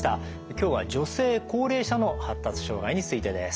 今日は女性・高齢者の発達障害についてです。